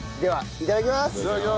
いただきます。